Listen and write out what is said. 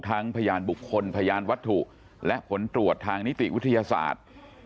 พยานบุคคลพยานวัตถุและผลตรวจทางนิติวิทยาศาสตร์